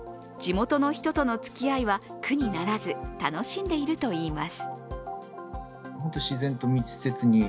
地元の人とのつきあいは苦にならず、楽しんでいるといいます。